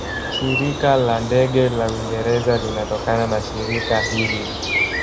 Shirika la Ndege la Uingereza linatokana na shirika hili.